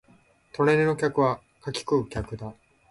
隣の客は柿食う客だ